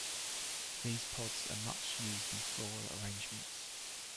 These pods are much used in floral arrangements.